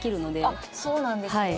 あっそうなんですね。